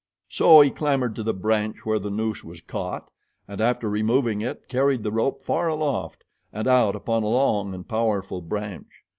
So he clambered to the branch where the noose was caught and after removing it carried the rope far aloft and out upon a long and powerful branch.